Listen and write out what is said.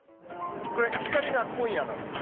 これ、左が今夜なんですね。